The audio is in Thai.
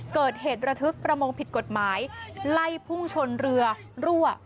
เกิดเหตุระทึกประมงผิดกฎหมายไล่พุ่งชนเรือรั่ว